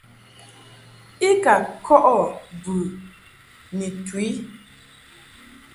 I ka kɔʼɨ bɨ ni tu i.